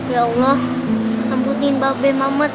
ya allah amputin bapak b mamet